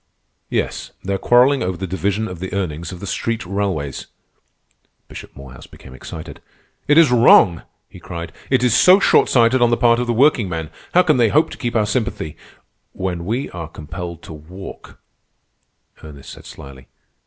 "Yes, they're quarrelling over the division of the earnings of the street railways." Bishop Morehouse became excited. "It is wrong!" he cried. "It is so short sighted on the part of the workingmen. How can they hope to keep our sympathy—" "When we are compelled to walk," Ernest said slyly.